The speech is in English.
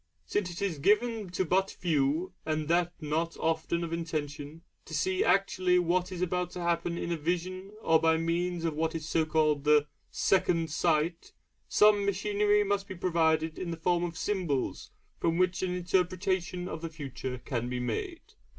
Since it is given to but few, and that not often of intention, to see actually what is about to happen in a vision or by means of what is called the 'second sight,' some machinery must be provided in the form of symbols from which an interpretation of the future can be made.